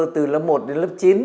từ lớp một đến lớp chín